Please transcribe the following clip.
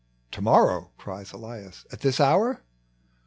" To morrow," cries Elias, " at this hour?